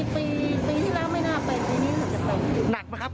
ปีปีที่แล้วไม่น่าเป็นปีนี้รู้สึกจะเป็นหนักไหมครับ